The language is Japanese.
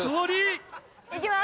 いきます。